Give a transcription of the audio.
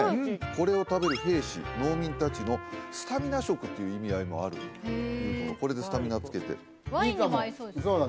これを食べる兵士農民達のスタミナ食っていう意味合いもあるというこれでスタミナをつけてワインにも合いそうですよね